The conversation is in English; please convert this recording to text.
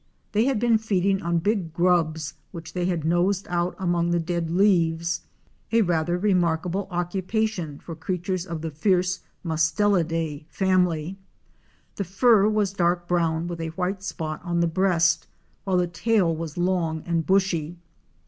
They had been feeding on big grubs which they had nosed out among the dead leaves, a rather remarkable occupation for creatures of the fierce Mustelide family. The fur was dark brown with a white spot on the breast, while the tail was long and bushy.